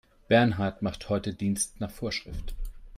Bernhard macht heute Dienst nach Vorschrift.